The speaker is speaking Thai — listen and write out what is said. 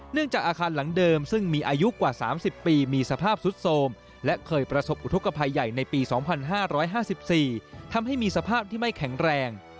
จากอาคารหลังเดิมซึ่งมีอายุกว่า๓๐ปีมีสภาพสุดโสมและเคยประสบอุทธกภัยใหญ่ในปี๒๕๕๔ทำให้มีสภาพที่ไม่แข็งแรง